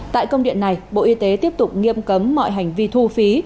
tại công điện này bộ y tế tiếp tục nghiêm cấm mọi hành vi thu phí